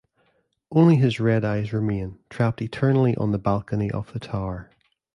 Only his red eyes remain, trapped eternally on the balcony of the Tower.